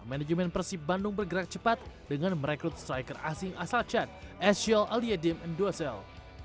manajemen persib bandung bergerak cepat dengan merekrut striker asing asal chad ezeziel ali ajin endusel